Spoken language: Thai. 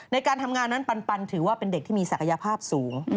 ในการทำงานนั้นปันถือว่าเป็นเด็กที่มีศักยภาพสูง